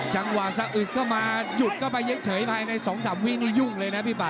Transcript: จังหวะอุดก็มาหยุดก็ไปเย็นเฉยภายใน๒๓วินียุ่งเลยนะพี่ป่ะ